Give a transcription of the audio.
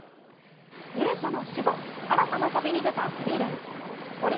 勇者の死後、新たな旅に出たフリーレン。